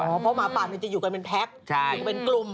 เพราะหมาป่ามันจะอยู่กันเป็นแพ็คอยู่กันเป็นกลุ่ม